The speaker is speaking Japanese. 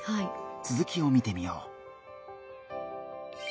続きを見てみよう。